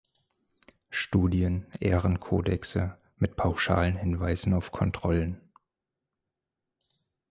Studien, Ehrenkodexe mit pauschalen Hinweisen auf Kontrollen.